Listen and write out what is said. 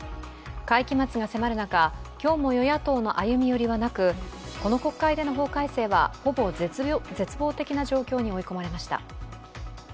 会期末が迫る中今日も与野党の歩み寄りはなくこの国会での法改正はほぼ絶望的な状況に追い込まれました。